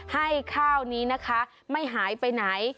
ให้ข้าวนี้นะคะไม่หายไปไหน